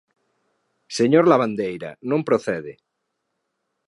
¡Señor Lavandeira, non procede!